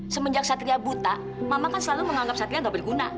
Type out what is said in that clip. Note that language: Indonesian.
semenjak satria buta mama kan selalu menganggap satria nggak berguna